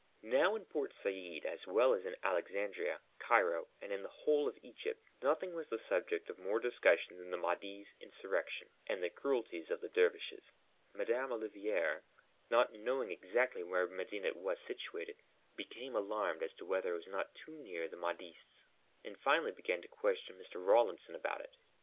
Now in Port Said as well as in Alexandria, Cairo, and in the whole of Egypt nothing was the subject of more discussion than the Mahdi's insurrection and the cruelties of the dervishes. Madame Olivier, not knowing exactly where Medinet was situated, became alarmed as to whether it was not too near the Mahdists, and finally began to question Mr. Rawlinson about it.